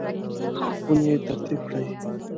خونې ترتیب کړئ